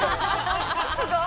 すごい。